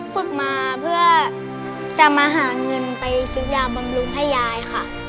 ฝึกมาเพื่อจะมาหาเงินไปซื้อยาบำรุงให้ยายค่ะ